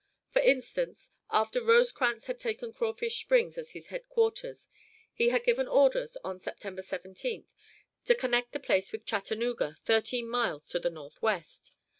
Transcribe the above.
For instance, after Rosecrans had taken Crawfish Springs as his headquarters, he had given orders, on September 17th, to connect the place with Chattanooga, thirteen miles to the northwest.